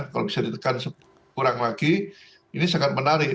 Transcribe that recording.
kalau bisa ditekan kurang lagi ini sangat menarik